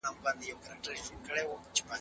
موبایل وکاروه!؟